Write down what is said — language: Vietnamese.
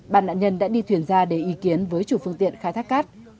bàn nạn nhân đã đi thuyền ra để ý kiến với chủ phương tiện khai thác cát